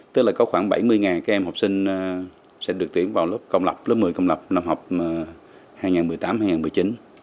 tức là có khoảng bảy mươi các em học sinh sẽ được tuyển vào lớp công lập lớp một mươi công lập năm học hai nghìn một mươi tám hai nghìn một mươi chín